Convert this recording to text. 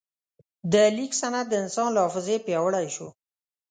د لیک سند د انسان له حافظې پیاوړی شو.